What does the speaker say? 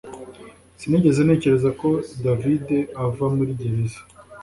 Sinigeze ntekereza ko David ava muri gereza